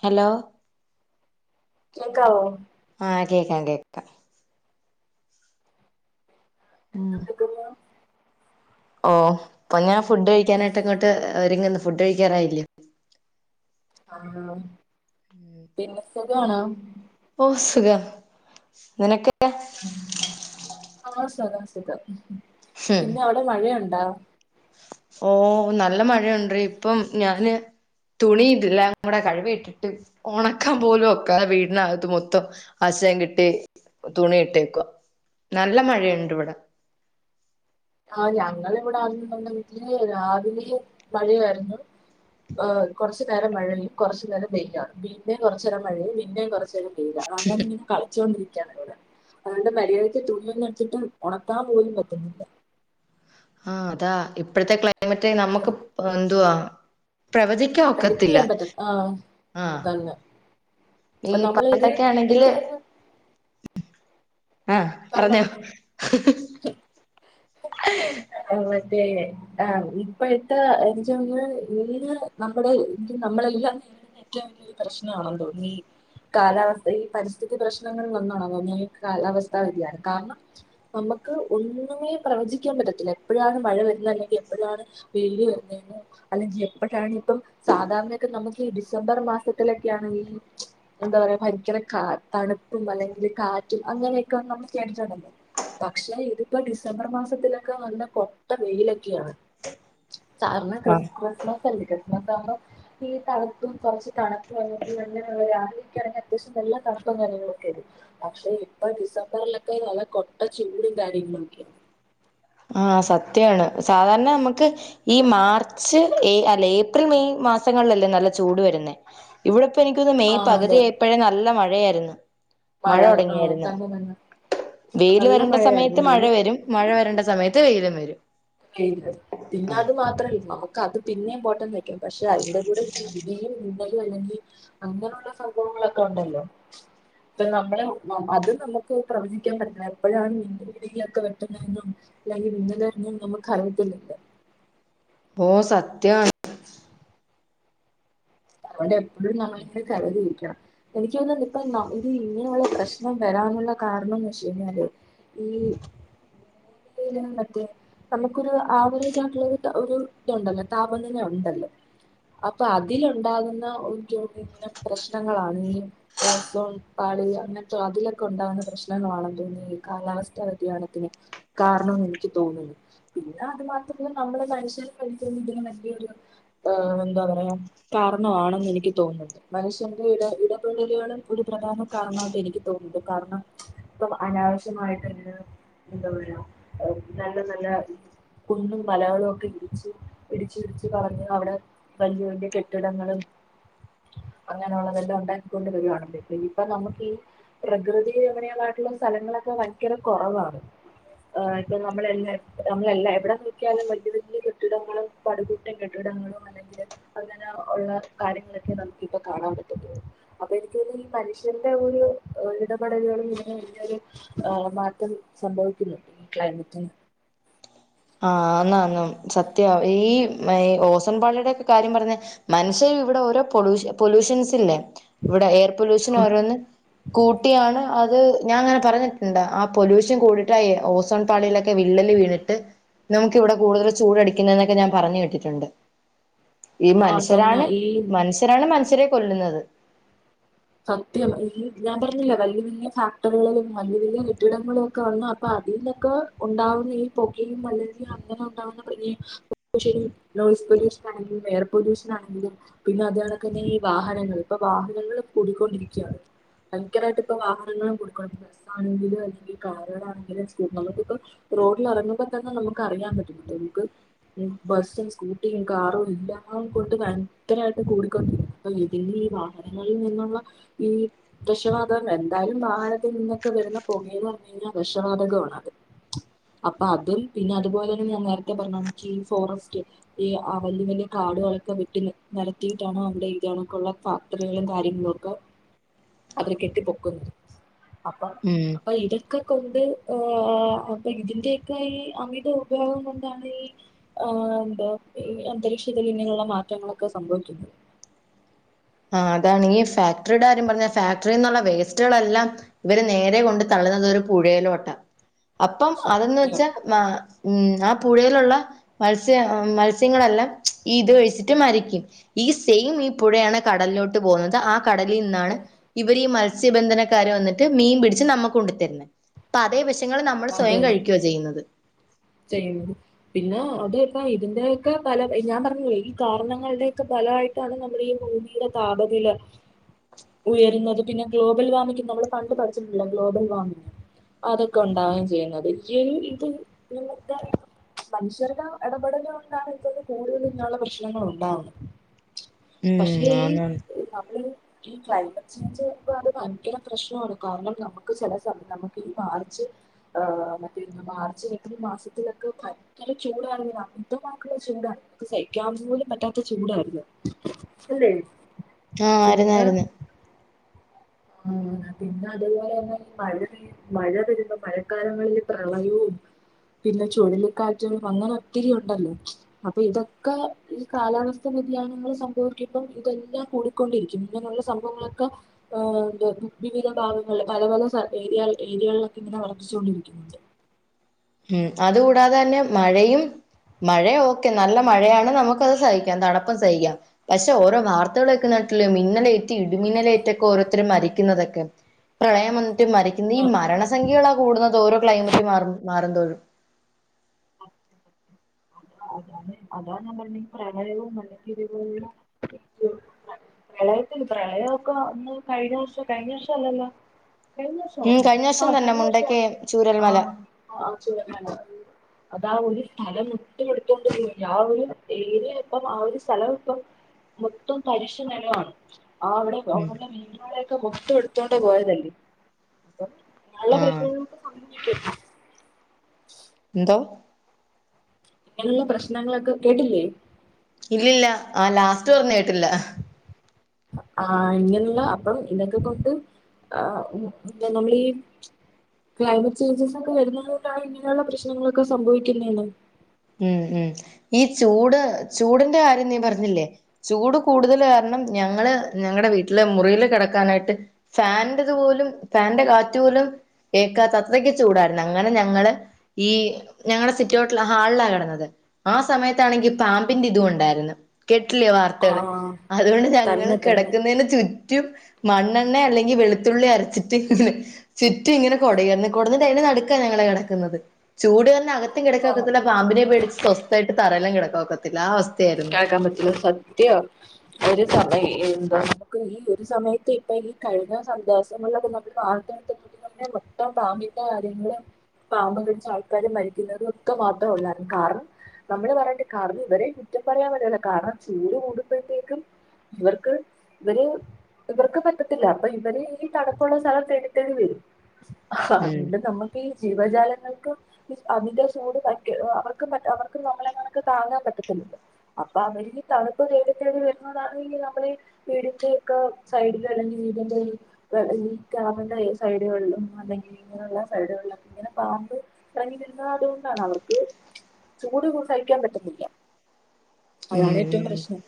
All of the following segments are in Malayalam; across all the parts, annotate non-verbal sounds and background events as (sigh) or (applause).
ഹലോ കേക്കാവോ ആഹ് കേക്കാം കേക്കാം ഉം എന്തെടുക്കുന്നു? ഓ അപ്പൊ ഞാൻ ഫുഡ് കഴിക്കാനായിട്ട് ഇങ്ങോട്ട്ങ്ങന്ന് ഒരുങ്ങുന്നു ഫുഡ് കഴിക്കാറായില്ലേ ആ പിന്നെ സുഖണോ ഓ സുഖം ഇങ്ങൊക്കെ ആ ആ സഖ (unintelligible) ഹും പിന്നെ അവിടെ മഴയുണ്ടാ ഓ നല്ല മഴയുണ്ട് ഇപ്പം ഞാന് തുണി ഇട്ടില്ല ഇങ്ങൂടെ കഴവി ഇട്ടിട്ട് ഒണക്കാൻ പോലും ഒക്കെ വീടിനകത്ത് മൊത്തം ആശയം കിട്ടി തുണി ഇട്ടേക്കുക നല്ല മഴയുണ്ട് ഇവിടെ ആ ഞങൾ ഇവിടെ ആകൽ രാവിലെ മഴയായിരുന്നു കുറച്ചു നേരം മഴയും കുറച്ചു നേരം പെയ്യ വീന്നേും കുറച്ച നേരം മഴയും പിന്നേ കുറ ഇങ്ങനെ കളിച്ചോണ്ടിരിക്ക (unintelligible) അതുകൊണ്ട് മര്യാദക്ക് തുണി ഒന്നും എടുത്തിട്ട് ഉണത്താൻ പോലും പറ്റുന്നില്ല ആഹ് അതാ ഇപ്പോഴത്തെ മറ്റേ നമ്മുക്ക് എന്തുവാ പ്രവചിക്ക എഡിറ്റ് ഒക്കത്തില്ല ചെയ്യാൻ പറ്റും ആഹ് ആ തന്നെ ഈ നമ്മള് ഇത് പണ്ടൊക്കെ ആണെങ്കില് എനിക്ക് തോന്നുന്നു ആ പറഞ്ഞോ പറഞ്ഞ (inaudible) അത ഇപ്പോഴത്തെ എച്ചഞ്ഞാൽ ഇന് നമ്മുടെ ഇ നമ്മളെല്ലാം നേരിടുന്ന ഏറ്റവും വിയ പ്രശ്നമാണ തോന്നി ഈ കാലാവസ്ഥ ഈ പരിസ്ഥിതി പ്രശ്നങ്ങൾ (unintelligible) വ്യതിയാണ് കാരണം നമുക്ക് ഒന്നുമേ പ്രവചിക്കാൻ പറ്റത്തില്ല എപ്പോഴാണ് മഴ വരുന്ന അല്ലെങ്കിൽ എപ്പോഴാണ് വെയിൽ വരുന്നതെന്നോ അല്ലെങ്കിൽ എപ്പോഴാണ് ഇപ്പം സാധാരണയൊക്കെ നമുക്ക് ഈ ഡിസംബർ മാസത്തിലൊക്കെയാണ് ഈ എന്താ പറയാ ഭരിക് കാ തണുപ്പും അല്ലെങ്കിൽ കാറ്റും അങ്ങനെ (unintelligible) കേട്ടിട്ടുണ്ടല്ലോ പക്ഷെ ഇതിപ്പോൊ ഡിസംബർ മാസത്തിലൊക്കെ നല്ല കൊട്ട വെയിലൊക്കെയാണ് ആഹ് (unintelligible) ഈ തണുത്തും കുറച്ച് തണു അങ്ങനെയ അത്യാവശ്യം നല്ല കഷ്ടം ങ്ങളൊക്കെ പക്ഷെ ഇപ്പൊ ഡിസബറിലൊക്കെ നല്ല കൊട്ട ചൂടും കാര്യങ്ങളുംക്കെയാണ് ആ സത്യാണ് സാധാരണ നമ്മുക്ക് ഈ മാർച്ച് അല്ല ഏപ്രിൽ മെയ് മാസങ്ങളിലല്ലേ നല്ല ചൂട് വരുന്നേ ഇവിടെ എനക്ക് ആ മെയ് അതെ പകുതിയപ്പോഴും നല്ല മഴയായിരുന്നു മഴ ആ തുടങ്ങിയായിരുന്നു തന്നെ തന്നെ വെയി ൽ നല്ല വരേണ്ട മഴയായിരുന്നു സമയത്ത് മഴ മെയ് വരും മഴ വരേണ്ട സമയത്ത് വെയ്ലും വരും പിന്ന പിന്ന അത് മാത്രല്ലേ എണ്ടാവൂ ക്ക അത് പിന്നേം പോട്ടെന്ന് വയ്ക്കാം പക്ഷെ അതിന്റെ കൂടെ ഈ ഇടിയും (inaudible) ഇത് കഴിഞ്ഞെങ്കി അങ്ങനെള്ള സംഭവങ്ങളൊക്കെ ഒണ്ടല്ലോ ഇപ്പ നമ്മളെ നമ്മ അത് നമ്മക്ക് പ്രവചിക്കാൻ പറ്റണം എപ്പഴാണ് നിന്റെ വീടിലൊക്കെ വെട്ടുന്നതെന്നും അല്ലെങ്കി മിന്നലെറിഞ്ഞും നമു കഴുത്തിലിട്ട് ഓ സത്യാണ് ഒണ്ടേ ഇവിടെ നമ്മക്ക് കരേ ജീവിക്കണം എനിക്കോന്നണ് നിപ്പ മ ഇത് ഇങ്ങനെയൊള്ള പ്രശ്നം വരാനുള്ള കാരണംന്ന് വച്ച്കഴിഞ്ഞാല് ഈ ഈ (unintelligible) മറ്റേ നമുക്കൊരു ആവറേജായിട്ടുള്ള ഒരു താ ഒരു ഇതൊണ്ടല്ലോ താപനില ഒണ്ടല്ലോ അപ്പ അതിലു ഉണ്ടാകുന്ന ഒ ജോ പിന്ന പ്രശ്നങ്ങളാണ് ഈ ഓസോൺ പാളി അങ്ങനത്ത അതിലൊക്കെ ഒണ്ടാകുന്ന പ്രശ്നങ്ങളണെന്നുതോന്നുന്നു ഈ കാലാവസ്ഥ വ്യതിയാനത്തിന് കാരണംന്ന് എനിക്ക് തോന്നുന്നു പിന്ന അത് മാത്രമല്ല നമ്മള് മനുഷ്യൻ (unintelligible) ഇതിന് ആ എന്താ പറയാ കാരണമാണെന്ന് എനിക്ക് തോന്നുന്നു മനുഷ്യന്റെ ഇട ഇടപെടലുകളും ഒരു പ്രധാന കാരണായിട്ട് എനിക്ക് തോന്നുന്നു കാരണം ഇപ്പ അനാവശ്യമായിട്ട് എന്താ പറയാ അ നല്ല നല്ല കുന്നും മലകളും ഒക്കെ ഇടിച്ച് ഇടിച്ചിടിച്ച് കളഞ്ഞ് അവിടെ വല്യ വല്യ കെ കെടങ്ങളും അങ്ങനെയുള്ളതെല്ലാം ഉണ്ടാക്കിക്കൊണ്ട് വരുവാണെങ്കില് ഇപ്പ നമുക്ക് ഈ പ്രകൃതി രമണീയമായിട്ടുള്ള സ്ഥലങ്ങളൊക്കെ ഭയങ്കര കൊറവാണ് ആ ഇപ്പ നമ്മളെ എല്ലാം നമ്മള എല്ലാ എവിടെ നോക്കിയാലും വല്യ വല്യ കെട്ടിടങ്ങളും പടുകൂറ്റൻ കെട്ടിടങ്ങളും അല്ലെങ്കില് അ ങ്ങന ഉള്ള കാര്യങ്ങളൊക്കെ നമുക്കിപ്പൊ കാണാൻ പറ്റത്തുള്ളൂ അപ്പൊ തോന്നുന്നു എനിക്ക് ഈ മനുഷ്യന്റെ ഒരു എ ഇടപെടലുകളും ഇങ്ങനെ വലിയൊരു മാറ്റം സംഭവിക്കുന്നുണ്ട് ഈ ക്ലൈമറ്റിന് ആ എന്നാ അങ്ങ് സത്യവാ ഈ മയ് ഓസോൺപാളിയുടെയൊക്കെ കാര്യം പറഞ്ഞ മനുഷ്യരും ഇവിടെ ഓരോ പൊ ലൂ പൊലൂഷൻസില്ലേ ഇവിടെ എയർ പൊല്യൂഷൻ ഓരോന്ന് കൂട്ടിയാണ് അത് ഞാൻ അങ്ങനെ പറഞ്ഞിട്ടുണ്ടാ ആ പൊല്യൂഷൻ കൂടിയിട്ട് ആ എയ് ഓസോൺ പാളിയിലൊക്കെ വിള്ളല് വീണിട്ട് നമുക്ക് ഇവിടെ കൂടുതൽ ചൂടടിക്കുന്ന എന്നൊക്കെ ഞാൻ പറഞ്ഞു കേട്ടിട്ടുണ്ട് ഈ ആഹ് തന്നെ മനുഷ്യരാണ് ഈ മനുഷ്യരാണ് മനുഷ്യരെ കൊല്ലുന്നത് സത്യം ഇ ഞാൻ പറഞ്ഞില്ലേ വല്യ വല്യ ഫാക്ടറികളും വല്യ വല്യ കെട്ടിടങ്ങളും ഒക്കെ വന്നു അപ്പ അതീന്നക്ക ഉണ്ടാവുന്ന ഈ പുകയും അല്ലെങ്കിൽ അങ്ങനെ ഉണ്ടാവുന്ന പനിയും ശരി നോയിസ് പൊല്യൂഷൻ ആണെങ്കിലും എയർ പൊല്യൂഷൻ ആണെങ്കിലും പിന്നെ അത് കണക്ക തന്നെ ഈ വാഹനങ്ങള് ഇപ്പൊ വാഹനങ്ങള് കൂടിക്കൊണ്ടിരിക്കയാണ് ഭയങ്കരായിട്ട് ഇപ്പ വാഹനങ്ങളും കൂടിക്കൊണ്ട് ബസ്സ ആണെങ്കിലും അല്ലെങ്കിൽ കാറുകളാണെങ്കിലും സ്പീ നമുക്കിപ്പൊ റോഡിൽ എറങ്ങുമ്പ തന്നെ നമുക്ക് അറിയാൻ പറ്റും നമുക്ക് ഉം ബസ്സും സ്കൂട്ടിയും കാറും എല്ലാം കൊണ്ട് ഭയങ്കരായിട്ട് കൂടിക്കൊണ്ടിരിക്കും അപ്പൊ ഇതിന്റെ ഈ വാഹനങ്ങളിൽ നിന്നും ള്ള ഈ വെക്ഷവാതകം എന്തായാലും വാഹനത്തിൽ നിന്നൊക്കെ വരുന്ന പുകയന്ന് പറഞ്ഞ കഴിഞ്ഞാൽ വിക്ഷവാതകോണത് അപ്പ അത് അതും പിന്നെ അതുപോലെ തന്നെ ഞാൻ നേരത്തെ പറഞ്ഞ കണക്ക് ഈ ഫോറസ്റ്റ് ഈ ആ വല്യ വല്യ കാടുകളൊക്കെ വെട്ടി നിത്തിയിട്ടാണോ അവിടെ ഇതണക്കുള്ള ഫാക്ടറികളും കാര്യങ്ങളും ക്ക അവര് കെട്ടിപൊക്കുന്നത് അപ്പ ഉം അപ്പ ഇതൊക്കെ കൊണ്ട് ആ അപ്പ ഇതിന്റെയൊക്ക ഈ അമിത ഉപയോഗം കൊണ്ടാണ് ഈ ആ എന്താ ഈ അന്തരീക്ഷത്തിൽ ഇന്നിങ്ങനെയുള്ള മാറ്റങ്ങളൊക്കെ സംഭവിക്കുന്നത് ആ അതാണ് ഈ ഫാക്ടറിയുടെ കാര്യം പറഞ്ഞ ഫാക്ടറിന്നുള്ള വേസ്റ്റുകളെല്ലാം ഇവര് നേരെ കൊണ്ട് തള്ളുന്നത് ഒരു പുഴയിലോട്ടാ അപ്പം അതെന്നു സത്യം വെച്ചാ മ ഊം ആ പുഴയിലുള്ള മത്സ്യ മത്സ്യങ്ങളെല്ലാംഈ ഇത് കഴിച്ചിട്ട് മരിക്കും ഈ സെയിം ഈ പുഴയാണ് കടലിലോട്ട് പോകുന്നത് ആ കടലിൽ നിന്നാണ് ഇവർ ഈ മത് ത്സ്യബന്ധനക്കാര് വന്നിട്ട് മീൻ പിടിച്ച് നമ്മക്ക് കൊണ്ടു തരുന്നത് അതേ വി ൾ നമ്മൾ സ്വയം അതെയതെ കഴിക്കുകയാ ചെയ്യുന്നത് ചെയ്യുന്നത് പിന്നെ അതെക്കെ ഇതിന്റെ ഒക്കെ പല ഞാൻ പറഞ്ഞില്ലേ ഈ കാരണങ്ങളുടെയൊക്കെ ഫലായിട്ടാണ് നമ്മൾ ഈ ഭൂമിയുടെ താപനില ഉയരുന്നത് പിന്നെ ഗ്ലോബൽ വാർമിംഗ് നമ്മള് പണ്ട് പഠിച്ചിട്ടില്ലേ ഗ്ലോബൽ വാർമിംഗ് അതൊക്കെ ഒണ്ടാവേം ചെയ്യുന്നത് ഈ ഒരു ഇത് ഇന്നത്തെ മനുഷ്യരുടെ എടപെടല് കൊണ്ടാണിതൊക്കെ കൂടുതൽ ഇങ്ങനൊള്ള പ്രശ്നങ്ങൾ ഉണ്ടാവുന്നു പക്ഷെ ഉം ഈ ആന്നാന്ന് നമ്മള് ഈ ക്ലൈമറ്റ് ചേഞ്ച് അത് ഭയങ്കര പ്രശ്നോണ് കാരണം നമുക്ക് ചെല സമയം നമുക്ക് ഈ മാർച്ച് ആ മറ്റേ മാർച്ച് ഈ മാസത്തിലൊക്കെ ഭയങ്കര ചൂടാണ് ഭയങ്കരമായിട്ടുള്ള ചൂടാണ് അത് സഹിക്കാൻ പോലും പറ്റാത്ത ചൂടായിരുന്നു അല്ലേ ആ ആരുന്നാരുന്നു ആ പിന്നെ അതുപോലെ തന്നെ മഴ മഴ വരുമ്പോ മഴക്കാലങ്ങളില് പ്രളയവും പിന്നെ ചുഴലിക്കാറ്റും അങ്ങനെ ഒത്തിരി ഉണ്ടല്ലോ അപ്പൊ ഇതൊക്കെ ഈ കാലാവസ്ഥ വ്യതിയാനങ്ങൾ സംഭവിക്കപ്പം ഇതെല്ലാം കൂടിക്കൊണ്ടിരിക്കും ഇങ്ങനെയുള്ള സംഭവങ്ങളൊക്കെ ഏ എ വിവിധ ഭാഗങ്ങളിൽ പല പല ഏരി ഏരിയകളിലൊക്കെ ഇങ്ങനെ വളർത്തിച്ച കൊണ്ടിരിക്കണ്ട് ഉം അതുകൂടാതെ തന്നെ മഴയും മഴ ഓക്കെ നല്ല മഴയാണ് നമുക്കത് സഹിക്കാം ത ക്കൊ സഹിക്കാം പക്ഷെ ഓരോ വാർത്തകളൊക്കെ നാട്ടില് മിന്നലേറ്റ് ഇടിമിന്നലേറ്റൊക്കെ ഓരോത്തരും മരിക്കുന്നതൊക്കെ പ്രളയം വന്ന് റ്റ് മരിക്കുന്ന ഈ ആ, മരണസംഖ്യകളാ കൂടുന്നത് ഓരോ ക്ലൈമറ്റ് മാറു മാറുന്തോറും അതാ ഞാൻ പറഞ്ഞെ പ്രളയവും (unintelligible) പ്രളയത്തി പ്രളയമൊക്കെ ഒന്ന് കഴിഞ്ഞ വഷം കഴിഞ്ഞ വർഷ അല്ലല്ലോ ഉം കഴിഞ്ഞോസര്ന്നു കഴിഞ്ഞ ആ വർഷം തന്നെ കഴിഞ്ഞോസോ മുണ്ടക്കൈ ആ ചൂരൽമല അഹ് ചൂരൽ മല അതാ ഒരു സ്ഥല ഇനി ഉടുത്തോണ്ട് പോവില്ല ആ ഒരു ഏര് ഇപ്പം ആ ഒരു സലം ഇപ്പം മൊത്തം തരിശ് നെലവാണ് ആ അവ്ടെ ഉം അവടെ വീട്ട് കാല് ക്കൊ മൊത്തം എടുത്തോണ്ട് പോയതല്ലേ നല്ല ആഹ് പ്രശ്നങ്ങൾക്ക്‌ സ (unintelligible) ന്തോ ങ്ങെനെയുള്ള പ്രശ്നങ്ങളൊക്കെ കേട്ടില്ലേ ഇല്ലല്ല ആ ലാസ്റ്റ് പറഞ്ഞ കേട്ടില്ല അ ആ ഇങ്ങനെയുള്ള അപ്പം ഇതൊക്കെ ക്കൊണ്ട് ആ നമ്മൾ ഈ ക്ലൈമറ്റ് ചേഞ്ചസൊക്കെ വരുന്നത് കൊണ്ടാണ് ഇങ്ങനെയുള്ള പ്രശ്നങ്ങളൊക്കെ സംഭവിക്കുന്നെന്ന് ഉം ഉ ഈ ചൂട് ചൂടിന്റെ കാര്യം നീ പറഞ്ഞില്ലേ ചൂട് കൂടുതൽ കാരണം ഞങ്ങള് ഞങ്ങടെ വീട്ടില് മുറില് കെടക്കാനായിട്ട് ഫാന്റെത് പോലും ഫാന്റെ കാറ്റ് പോലും ഏക്കാത്ത അത്രയ്ക്ക് ചൂടായിരുന്നു അങ്ങനെ ഞങ്ങള് ഈ ഞങ്ങടെ സിറ്റൗട്ടല് ഹാളിലാ കിടന്നത് ആ സമയത്താണെങ്കി പാമ്പിന്റെ ഇതുണ്ടായിരുന്നു കേട്ടില്ലേ വാർത്തകള് ആഹ് അതുകൊണ്ട് ഞങ്ങള്ൾ തന്നെ തന്നെ കിടക്കുന്നതിന് ചു - റ്റും മണ്ണെണ്ണ അല്ലെങ്കി വെളുത്തുള്ളി അരച്ചിട്ട് ചുറ്റും ഇങ്ങനെ കൊടയോന്നെ കോട്ന്ന് തേനു നടുക്ക ഞങ്ങള് കെടക്കുന്നത് ചൂട് തന്നെഅ ത്തിൻ കിടക്കാത്തത് ത് ല പാമ്പിനെപേടിച്ച് സ്വസ്ഥായിട്ട് തറേലാ കെട ഓക്കത്തിെൽ കേൾക്കാൻ പറ്റുന്ന സത്യ ഒരു സമയമെന്താ ക്ക്‌ ഈ ഒരു സമയത്ത് ഇപ്പൊ ഈ കഴിഞ്ഞ (unintelligible) വാർത്തടുത്ത നമ്മെ മൊത്തം പാമ്പിന്റെ കാര്യങ്ങൾ പാമ്പ് കടിച്ച ആൾക്കാരും മരിക്കുന്നതും ഒക്കെ മാത്രം ഉള്ളാരുന്നു കാരണം നമ്മള് പറയണ്ട് കാരണം ഇവരെ റ്റം പറയാൻ പറ്റൂല കാരണം ചൂട് കൂടുമ്പോഴത്തേക്കും ഇവർക്ക് ഇവര് ഇവർക്ക് പറ്റത്തില്ല അപ്പൊ ഇവര് ഈ തണുപ്പുള്ള സ്ഥലം തേടി തേടി വരും ആ ഉം അതുകൊണ്ട് നമ്മുക്കീ ജീവജാലങ്ങൾക്കും ഇ അമിത ചൂട് പറ്റ അവർക്കുംപറ്റ അവർക്ക് നമ്മളെങ്ങാനൊക്കെ താങ്ങാൻ പറ്റത്തില്ലല്ലോ അപ്പൊ അവരീ തണുപ്പ് തേടി തേടി വരുന്നതാണെങ്കിൽ നമ്മള് വീടിന്റെ ഒക്കെ സൈഡില് അല്ലെങ്കിൽ വീടിന്റെ ഈ കാമ്പിന്റെ സൈഡുകളിലും അല്ലെങ്കിൽ ഇങ്ങനെയുള്ള സൈഡുകളിലും ഇങ്ങനെ പാമ്പ് ഇറങ്ങി വരുന്ന അതുകൊണ്ടാണ് അവർക്ക് ചൂട്സഹിക്കാൻ പറ്റുന്നില്ല അതാണ് ഏറ്റവും ഉം പ്രശ്നം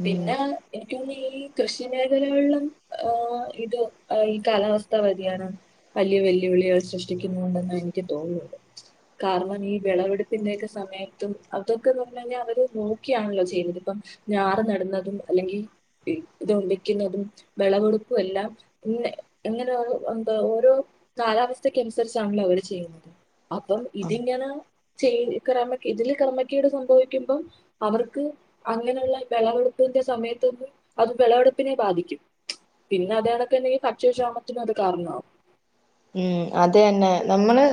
ഉം ഉം പിന്നെ എനിക്ക ഓന്ന്ണ് ഈ കൃഷി മേഖലകളിലും ഹ് ഇത് ഈ കാലാവസ്ഥ വ്യതിയാനം വലിയ വെല്ലുവിളികൾ സൃഷ്ടിക്കുന്നുണ്ടെന്ന് എനിക്ക് തോന്നുണ്ട് കാരണം ഈ വിളവെടുപ്പിന്റെയൊക്കെ സമയത്തും അത് ക്കുന്നുണ്ടെങ്കി അവര് നോക്കിയാണല്ലോ ചെയ്യുന്നത് ഇപ്പം ഞാറ് നടുന്നതും അല്ലെങ്കി ഇത് വിക്കുന്നതും വിളവെടുപ്പു എല്ലാം ഇങ്ങനെഓരോ എന്ത ഓരോ കാലാവസ്ഥക്കനുസരിച്ചാണല്ലോ അവര് ചെയ്യുന്നത് അപ്പം ആ ഇതിങ്ങനെ ചെയ് ക്രമ ഇതില് ക്രമ ക്കേട് സംഭവിക്കുമ്പം അവർക്ക് അങ്ങനെയുള്ള വെളവെടുപ്പിന്റെ സമയത്തൊന്നും അത് വെളവെടുപ്പിനെ ബാധിക്കും പിന്നെ അതണക്കെണ്ടെങ്കിൽ ഭക്ഷ്യ ക്ഷാമത്തിനും അത് കാരണാവും ഉം അത് തന്നെ നമ്മള്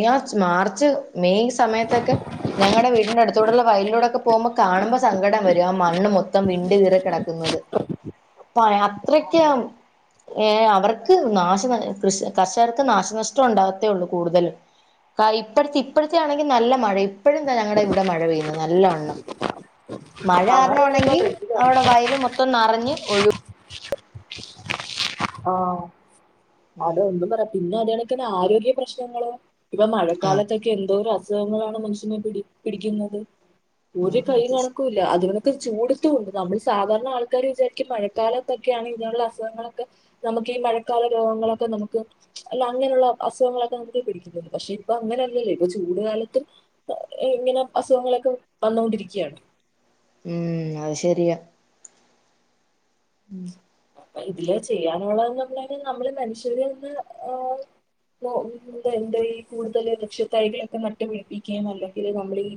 ഈആ ച് മാർച്ച് മെയ് സമയത്തൊക്കെ ഞങ്ങട വീടിന്റ അടുത്തൂടൊള്ള വയലിലൂടൊക്കെ പോകുമ്പൊ കാണുമ്പ സങ്കടം വരും ആ മണ്ണ് മൊത്തം വിണ്ട് കീറി കെ ടക്കുന്നത് അപ്പ അത്രക്ക് അതെ ഏഹ അവർക്ക് നാശ ന കൃഷി കർഷകർക്ക് നാശനഷ്ടം ഉണ്ടാകത്തേ ഉള്ളൂ കൂടുതലും കാ ഇപ്പഴത്തെ ഇപ്പഴ്‌ത്തെ ആണെങ്കിൽ നല്ല മഴയും ഇപ്പഴും ദാ ഞങ്ങടെ ഇവിടെ മഴ പെയ്യുന്നു നല്ലവണ്ണം. മഴ അറിഞ്ഞാണെങ്കിൽ വളരെ അവിടെ വയല് മൊത്തം നറഞ്ഞ് ഒഴു ഓ ഉം അത് ഒന്നും പറയാ പിന്നെ ഒരു കണക്കന് ആരോഗ്യ പ്രശ്നങ്ങളും ഇപ്പ ആഹ് മഴക്കാലത്തൊക്കെ എന്തോരസു സുകങ്ങളാണ് മനുഷ്യനെ പിടി പിടിക്കുന്നത്. ഒരു ആഹ് കൈയ്യും അത് കണക്കൂല്ല അതി ഇപ്പ ചൂടുത്തുണ്ട് നമ്മള് സാധാരണ ആൾക്കാര് വിചാരിക്കും മഴക്കാലത്തൊക്കെയാണ് ഇങ്ങനുള്ള അസുഖങ്ങളൊക്ക നമുക്കീ മഴക്കാല രോഗങ്ങളൊക്കെ നമുക്ക് അല്ല അങ്ങനെയുള്ള അസുഖങ്ങളൊക്കെ നമുക്ക് പിടിക്കുന്നുണ്ട് പക്ഷെ ഇപ്പ അങ്ങനല്ലല്ലേ ഇപ്പൊ ചൂട്കാലത്തും ഇങ്ങനെ അസുഖങ്ങളൊക്കെ വന്നൊണ്ടിരിക്കയാണ്. ഉം അത് ശരിയാ ഉം ഇതില് ചെയ്യാനുള്ളതെന്ന് പറഞ്ഞല് നമ്മള് മനുഷ്യരന്നെ ഓ എന്താ ഈ കൂടുതല് വൃക്ഷ ത്തൈകളൊക്കെ നട്ടുപിടിപ്പിക്കേം അല്ലെങ്കിൽ നമ്മൾ ഈ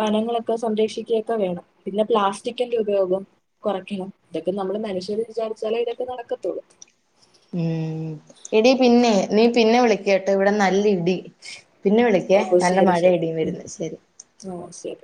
വനങ്ങളൊക്കെ സംരക്ഷിക്കോക്കെ വേണം പിന്നെ പ്ലാസ്റ്റിക്കിന്റെ ഉപയോഗം കുറയ്ക്കണം ഇതൊക്കെ നമ്മള് മനുഷ്യര് വിചാരി ച്ചാലെ ഇതൊക്കെ നടക്കത്തൊള്ളൂ. ഉം എടി പിന്നെ നീ പിന്നെ വിളിക്ക് കേട്ടൊ ഇവിടെ നല്ല ഇ ടി പിന്ന വിളിക്കേ ഓ നല്ല ശരി മഴെ ശരി ഇടീം ഉം വരുന്നു ശരി. ഓ ശരി